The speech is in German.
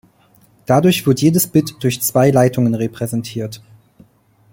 Dadurch wird jedes Bit durch zwei Leitungen repräsentiert.